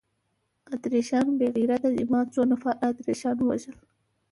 اتریشیان بې غیرته دي، ما څو نفره اتریشیان ووژل؟